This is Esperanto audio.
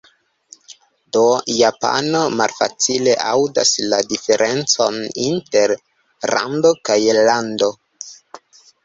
Do japano malfacile aŭdas la diferencon inter "rando" kaj "lando".